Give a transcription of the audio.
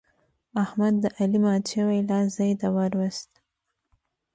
احمد د علي مات شوی لاس ځای ته ور ووست.